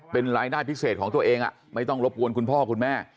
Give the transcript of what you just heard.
เป็นรายได้พิเศษของตัวเองไม่ต้องรบกวนคุณพ่อคุณแม่